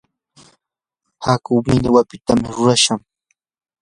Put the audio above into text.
hakuu millwapita rurashqam.